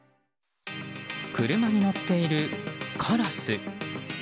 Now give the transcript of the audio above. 車に乗っているカラス。